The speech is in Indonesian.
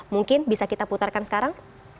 mungkin bisa kita putarkan sekarang